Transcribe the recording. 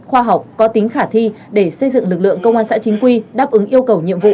khoa học có tính khả thi để xây dựng lực lượng công an xã chính quy đáp ứng yêu cầu nhiệm vụ